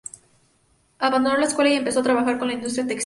Abandonó la escuela y empezó a trabajar en la industria textil.